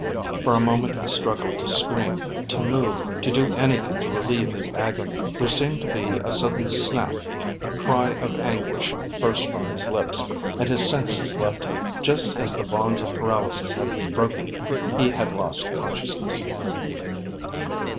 For a moment he struggled to scream, to move, to do anything to relieve his agony. There seemed to be a sudden snap a cry of anguish burst from his lips and his senses left him. Just as the bonds of paralysis had broken, he had lost consciousness.